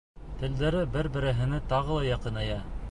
Телдәре бер-береһенә тағы ла яҡыная.